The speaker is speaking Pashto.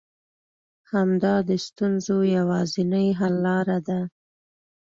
همدا د ستونزو يوازنۍ حل لاره ده.